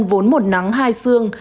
vốn một nắng hai xương